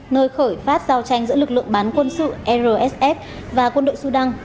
nơi khởi phát giao tranh giữa lực lượng bán quân sự rsf và quân đội sudan